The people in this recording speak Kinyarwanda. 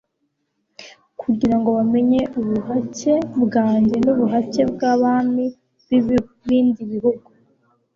kugira ngo bamenye ubuhake bwanjye n'ubuhake bw'abami b'ibindi bihugu